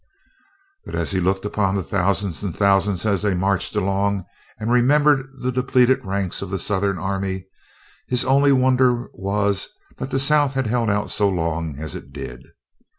But as he looked upon the thousands and thousands as they marched along, and remembered the depleted ranks of the Southern army, his only wonder was that the South had held out so long as it did.